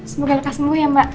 semoga lepas semua ya mbak